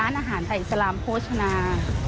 ร้านอาหารไทยสลามโภชนา